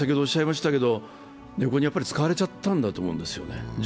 情報に使われちゃったんだと思うんですよね。